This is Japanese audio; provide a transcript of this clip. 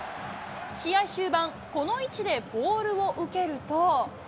試合終盤、この位置でボールを受けると。